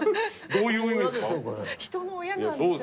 どういう意味ですか？